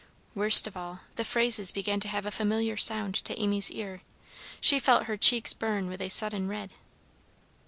Worst of all, the phrases began to have a familiar sound to Amy's ear. She felt her cheeks burn with a sudden red.